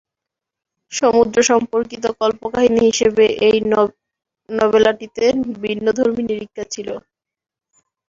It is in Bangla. সমুদ্র সম্পর্কিত কল্পকাহিনী হিসেবে এই নভেলাটিতে ভিন্নধর্মী নিরীক্ষা ছিল।